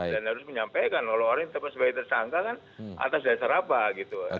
dan harus menyampaikan kalau orang ini sebagai tersangka kan atas dasar apa gitu